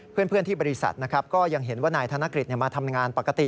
เพื่อนที่บริษัทนะครับก็ยังเห็นว่านายธนกฤษมาทำงานปกติ